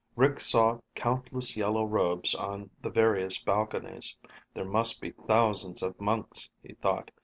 Rick saw countless yellow robes on the various balconies. There must be thousands of monks, he thought.